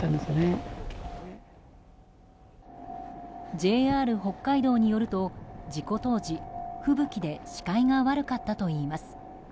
ＪＲ北海道によると、事故当時吹雪で視界が悪かったといいます。